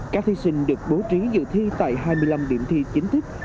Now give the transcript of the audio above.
các thí sinh được bố trí dự thi tại hai mươi năm điểm thi chính thức